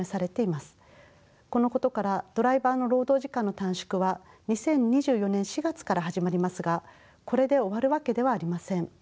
このことからドライバーの労働時間の短縮は２０２４年４月から始まりますがこれで終わるわけではありません。